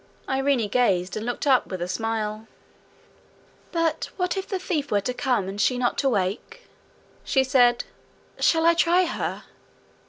Irene gazed, and looked up with a smile. 'But what if the thief were to come, and she not to wake?' she said. 'Shall I try her?'